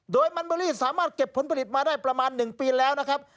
โดยมันเบอรี่สามารถเก็บผลผลิตมาได้ประมาณ๑ปีแล้วนะครับ